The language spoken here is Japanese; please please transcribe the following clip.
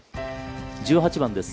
１８番です。